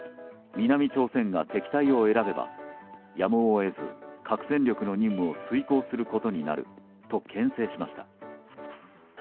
南朝鮮が敵対を選べばやむを得ず核戦力の任務を遂行することになると牽制しました。